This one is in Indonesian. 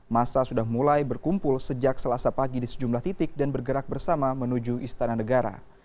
masa sudah mulai berkumpul sejak selasa pagi di sejumlah titik dan bergerak bersama menuju istana negara